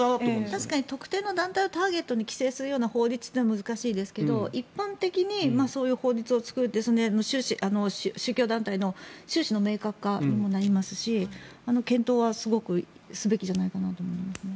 確かに特定の団体をターゲットに規制する法律は難しいですが一般的にそういう法律を作ると宗教団体の収支の明確化にもなりますし検討はすごくすべきじゃないかと思いますね。